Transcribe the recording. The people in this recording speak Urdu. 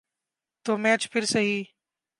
تو میچ پھر سہی۔